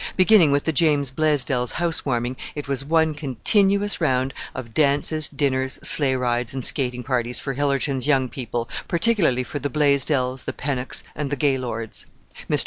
Beginning with the James Blaisdells' housewarming it was one continuous round of dances, dinners, sleigh rides and skating parties for Hillerton's young people, particularly for the Blaisdells, the Pennocks, and the Gaylords. Mr.